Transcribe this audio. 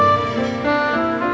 aku ngerti ra